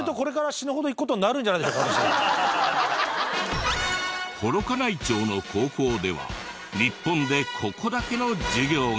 逆に言うと幌加内町の高校では日本でここだけの授業が。